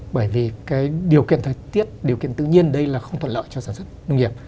bởi vì cái điều kiện thời tiết điều kiện tự nhiên đây là không thuận lợi cho sản xuất nông nghiệp